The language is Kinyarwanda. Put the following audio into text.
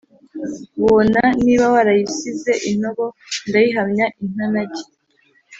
" Bona, niba warayisize intobo, ndayihamya intanage,